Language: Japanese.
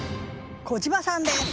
小島さんです。